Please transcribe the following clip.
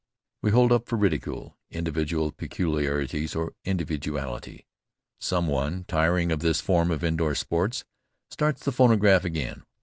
We hold up for ridicule individual peculiarities of individuality. Some one, tiring of this form of indoor sports, starts the phonograph again.